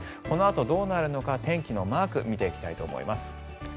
このあとどうなるのか天気のマークを見ていきたいと思います。